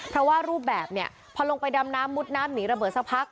เพราะว่ารูปแบบเนี่ยพอลงไปดำน้ำมุดน้ำหนีระเบิดสักพัก